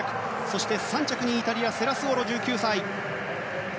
そして３着にイタリアセラスオロ。